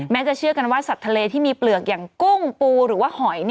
จะเชื่อกันว่าสัตว์ทะเลที่มีเปลือกอย่างกุ้งปูหรือว่าหอย